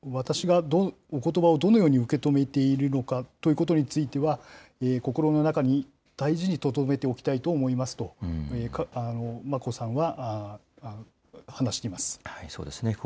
結婚にあたって、頂いたおことばと、私がどのようにおことばを受け止めているのかということについては、心の中に大事にとどめておきたいと思いますと、眞子さんは話しています。